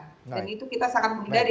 dan itu kita sangat menghindari